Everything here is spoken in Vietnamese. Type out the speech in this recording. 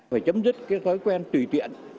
phải chấm dứt cái khói quen tùy tiện